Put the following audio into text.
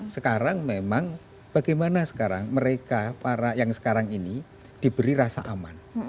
sekarang memang bagaimana sekarang mereka para yang sekarang ini diberi rasa aman